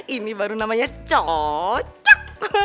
ini baru namanya cocok